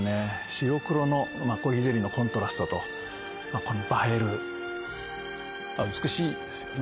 白黒のコーヒーゼリーのコントラストとこの映える美しいですよね